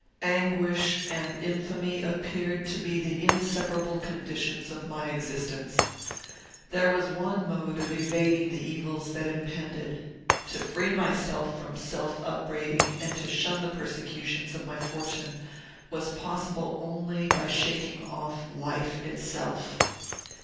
Anguish and infamy appeared to be the inseparable conditions of my existence. There was one mode of evading the evils that impended. To free myself from self upbraiding and to shun the persecutions of my fortune was possible only by shaking off life itself.